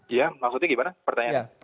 iya maksudnya gimana pertanyaannya